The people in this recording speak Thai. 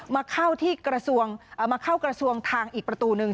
มาเข้าที่มาเข้ากระทรวงทางอีกประตูหนึ่ง